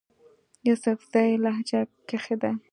يوسفزئ لهجه کښې ده